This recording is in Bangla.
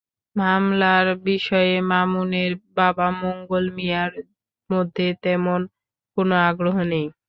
মামলার বিষয়ে মামুনের বাবা মঙ্গল মিয়ার মধ্যে তেমন কোনো আগ্রহ নেই।